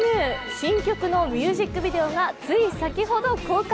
新曲のミュージックビデオがつい先ほど公開。